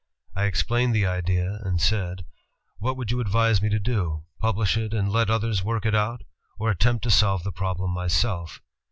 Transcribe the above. I explained the idea and said: 'What would you advise me to do, publish it and let others work it out, or attempt to solve the problem myself?'